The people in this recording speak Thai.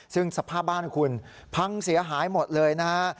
ซึ่งสภาพบ้านคุณพังเสียหายหมดเลยนะฮะ